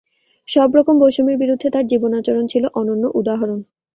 সব রকম বৈষম্যের বিরুদ্ধে তাঁর জীবনাচরণ ছিল অনন্য উদাহরণ।